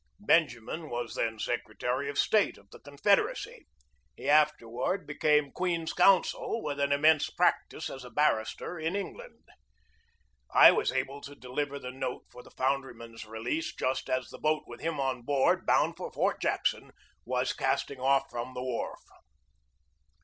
Benjamin was then secretary of state of the Confederacy. He afterward became queen's coun sel, with an immense practice as a barrister, in England. I was able to deliver the note for the foundry man's release just as the boat with him on board, bound for Fort Jackson, was casting off from the wharf.